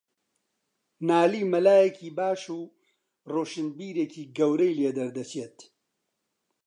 نالی مەلایەکی باش و ڕۆشنبیرێکی گەورەی لێدەردەچێت